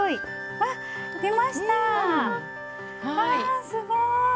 わあすごい。